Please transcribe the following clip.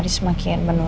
kita masuk dulu